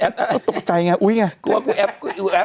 ตกใจง่ายโอ๊ยเว้อ๊าวอ๊าว